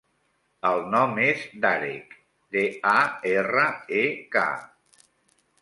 El nom és Darek: de, a, erra, e, ca.